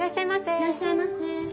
いらっしゃいませ。